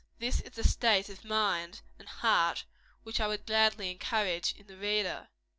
This is the state of mind and heart which I would gladly encourage in the reader.